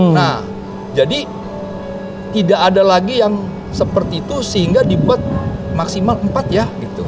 nah jadi tidak ada lagi yang seperti itu sehingga dibuat maksimal empat ya gitu